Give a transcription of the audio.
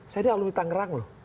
saya di alumi tangerang loh